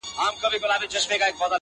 پابندۍ دي لګېدلي د ګودر پر دیدنونو -